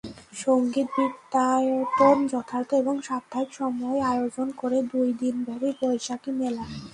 সংগীত বিদ্যায়তন যথার্থ এবং সাপ্তাহিক সময় আয়োজন করে দুই দিনব্যাপী বৈশাখী মেলার।